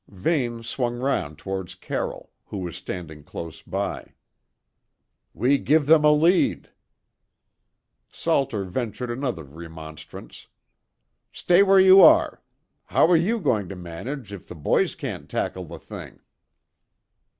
Vane swung round towards Carroll, who was standing close by. "We give them a lead." Salter ventured another remonstrance: "Stay where you are. How are you going to manage if the boys can't tackle the thing?"